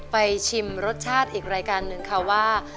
ชิมรสชาติอีกรายการหนึ่งค่ะว่า